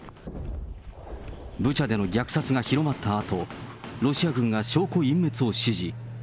ブチャでの虐殺が広まったあと、ロシア軍が証拠隠滅を指示。